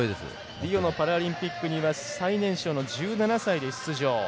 リオのパラリンピックには最年少の１７歳で出場。